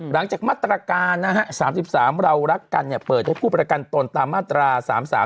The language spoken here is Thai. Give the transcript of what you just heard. หลังจากมาตรการนะฮะ๓๓เรารักกันเนี่ยเปิดให้ผู้ประกันตนตามมาตรา๓๓